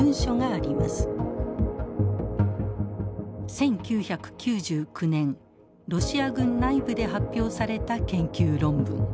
１９９９年ロシア軍内部で発表された研究論文。